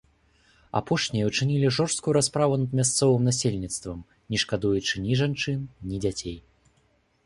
Апошнія ўчынілі жорсткую расправу над мясцовым насельніцтвам, не шкадуючы ні жанчын, ні дзяцей.